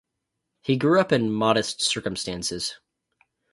He grew up in modest circumstances.